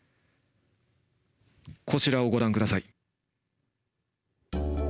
こちらをご覧下さい。